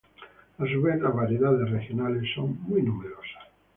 A su vez, las variedades regionales son muy numerosas.